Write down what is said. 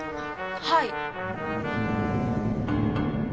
はい。